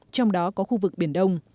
trong đó có khu vực biển đông